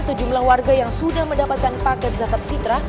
sejumlah warga yang sudah mendapatkan paket zakat fitrah